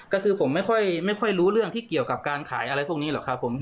ก็คือผมไม่ค่อยรู้เรื่องที่เกี่ยวกับการขายอะไรพวกนี้หรอกครับผม